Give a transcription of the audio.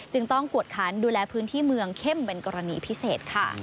จึงต้องกวดคันดูแลพื้นที่เมืองเข้มเป็นกรณีพิเศษค่ะ